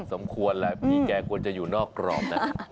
สมควรแหละพี่แกควรจะอยู่นอกกรอบนะ